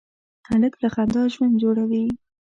هلک له خندا ژوند جوړوي.